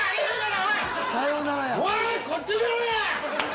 おい⁉こっち見ろや！